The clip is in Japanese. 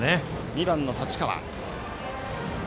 ２番の太刀川。